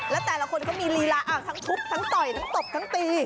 และแต่ละคนก็มีลีลาทั้งทุบทั้งต่อยทั้งตบทั้งตี